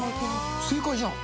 正解じゃん。